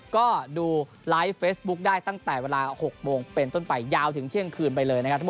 ก็ดูไลฟ์เฟซบุ๊คได้ตั้งแต่เวลา๖โมงเป็นต้นไปยาวถึงเที่ยงคืนไปเลยนะครับ